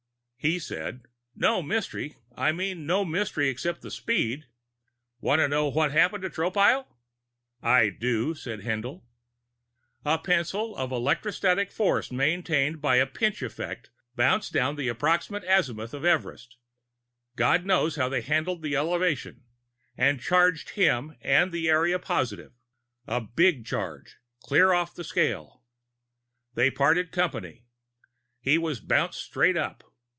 He said: "No mystery. I mean no mystery except the speed. Want to know what happened to Tropile?" "I do," said Haendl. "A pencil of electrostatic force maintained by a pinch effect bounced down the approximate azimuth of Everest God knows how they handled the elevation and charged him and the area positive. A big charge, clear off the scale. They parted company. He was bounced straight up.